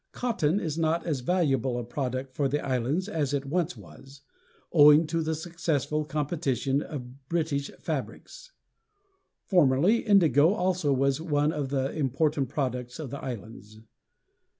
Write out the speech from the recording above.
Cotton is not as valuable a product for the islands as it once was, owing to the successful competition of British fabrics. Formerly indigo also was one of the important products of the islands.